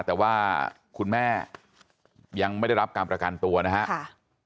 แต่ว่าคุณแม่ยังไม่ได้รับการประกันตัวนะครับ